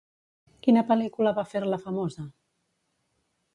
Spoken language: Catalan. Quina pel·lícula va fer-la famosa?